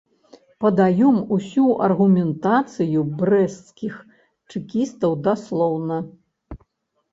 Падаём усю аргументацыю брэсцкіх чэкістаў даслоўна.